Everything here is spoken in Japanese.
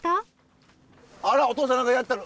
あらお父さん何かやってる。